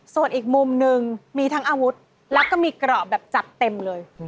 ส่วนอีกมุมนึงมีทั้งอาวุธแล้วก็มีกรอบแบบจัดเต็มเลย